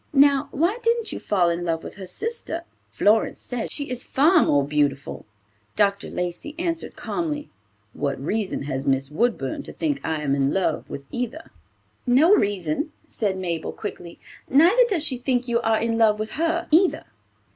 Now, why didn't you fall in love with her sister? Florence says she is far more beautiful." Dr. Lacey answered calmly, "What reason has Miss Woodburn to think I am in love with either." "No reason," said Mabel, quickly; "neither does she think you are in love with her either."